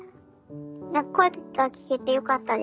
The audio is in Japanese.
何か声が聞けてよかったです。